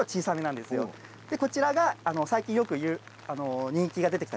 でこちらが最近よく人気が出てきた